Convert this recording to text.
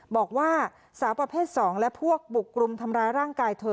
บอกว่าสาวประเภท๒และพวกบุกรุมทำร้ายร่างกายเธอ